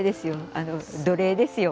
あの奴隷ですよ芸術の。